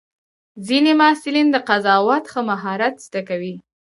ځینې محصلین د قضاوت ښه مهارت زده کوي.